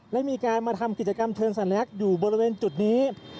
และมีการมาทำกิจกรรมเชิงสัญลักษณ์อยู่บริเวณจุดนี้